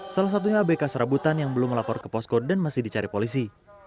salah satunya abk serabutan yang belum melapor ke posko dan masih dicari polisi